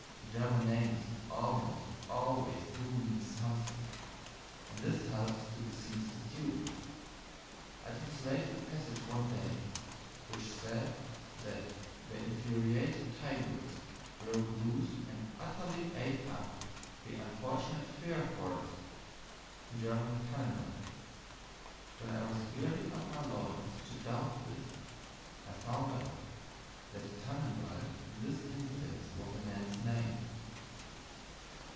German names almost always do mean something, and this helps to deceive the student. I translated a passage one day, which said that "the infuriated tigress broke loose and utterly ate up the unfortunate fir forest" (Tannenwald). When I was girding up my loins to doubt this, I found out that Tannenwald in this instance was a man's name.